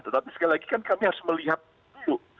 tetapi sekali lagi kan kami harus melihat dulu